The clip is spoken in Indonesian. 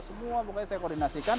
semua pokoknya saya koordinasikan